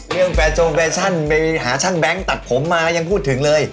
แฟร์โจงแฟชั่นไปหาช่างแบงค์ตัดผมมายังพูดถึงเลย